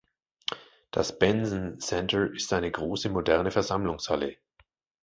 Das Bensen Center ist eine große, moderne Versammlungshalle.